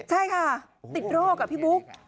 ใช่ค่ะติดโรคพี่บุ๊ก